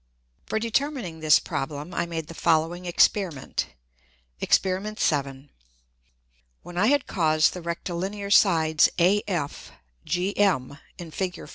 _ For determining this Problem I made the following Experiment.[J] Exper. 7. When I had caused the Rectilinear Sides AF, GM, [in _Fig.